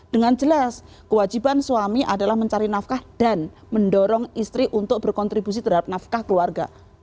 dengan jelas kewajiban suami adalah mencari nafkah dan mendorong istri untuk berkontribusi terhadap nafkah keluarga